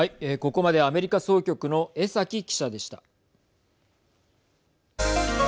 ここまでアメリカ総局の江崎記者でした。